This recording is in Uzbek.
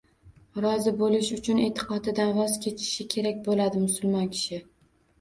Rozi bo‘lish uchun e’tiqodidan voz kechishi kerak bo‘ladi musulmon kishi.